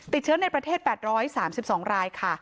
ติดเชื้อในประเทศ๘๓๒รายค่ะ